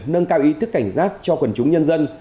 nâng cao ý thức cảnh giác cho quần chúng nhân dân